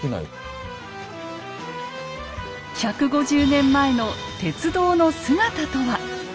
１５０年前の鉄道の姿とは？